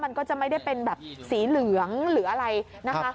มันก็จะไม่ได้เป็นแบบสีเหลืองหรืออะไรนะคะ